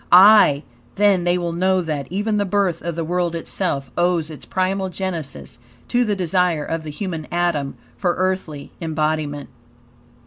Aye! then they will know that, even the birth of the world itself, owes its primal genesis to the desire of the human atom for earthly embodiment.